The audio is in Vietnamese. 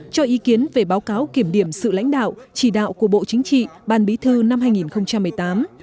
cho ý kiến về báo cáo kiểm điểm sự lãnh đạo chỉ đạo của bộ chính trị ban bí thư năm hai nghìn một mươi tám